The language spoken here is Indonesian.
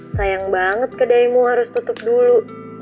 sayang banget kedai mu harus tutup dulu